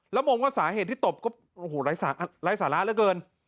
แล้วมองว่าสาเหตุที่ตบก็โอ้โหไร้สาระเหลือเกิน